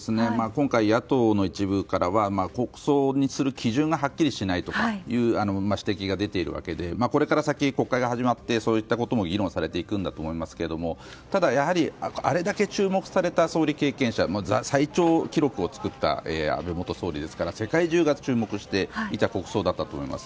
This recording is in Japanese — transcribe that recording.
今回、野党の一部からは国葬にする基準がはっきりしないという指摘が出ているわけでこれから先国会が始まってそういったことも議論されていくんだと思いますがただ、あれだけ注目された総理経験者最長記録を作った安倍元総理ですから世界中が注目していた国葬だったと思います。